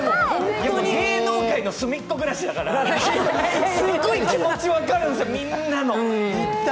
芸能界の「すみっコぐらし」だからすごい気持ち分かるんですよ、みんなの。